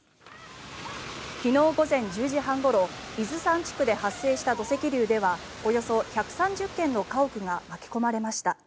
昨日午前１０時半ごろ伊豆山地区で発生した土石流ではおよそ１３０軒の家屋が巻き込まれました。